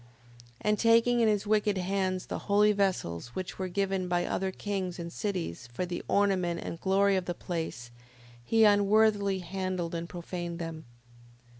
5:16. And taking in his wicked hands the holy vessels, which were given by other kings and cities, for the ornament and the glory of the place, he unworthily handled and profaned them.